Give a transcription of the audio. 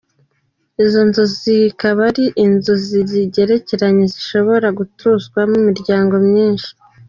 Izo nzu zikaba ari inzu zigerekeranye zishobora gutuzwamo imiryango myinsi.